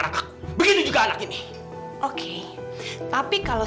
mas bingkirin mobilnya cepet